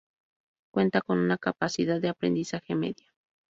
Cuenta con una capacidad de aprendizaje media.